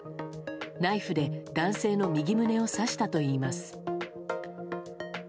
ナイフで男性の右胸を刺したといいます。